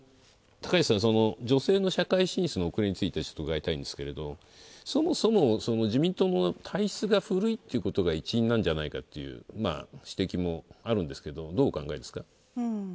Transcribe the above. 高市さん、女性の社会進出の遅れについて伺いたいんですけれど、そもそも自民党の体質が古いということが一因なんじゃないかという指摘もあるんですけど、どうお考えですか？